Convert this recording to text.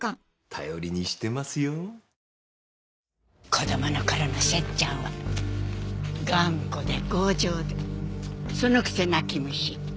子供の頃のセッちゃんは頑固で強情でそのくせ泣き虫。